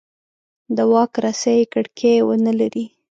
د واک رسۍ یې کړکۍ ونه لري.